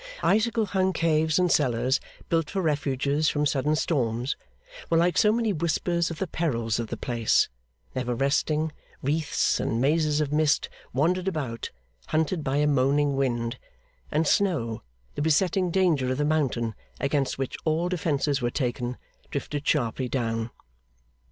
Icicle hung caves and cellars built for refuges from sudden storms, were like so many whispers of the perils of the place; never resting wreaths and mazes of mist wandered about, hunted by a moaning wind; and snow, the besetting danger of the mountain, against which all its defences were taken, drifted sharply down.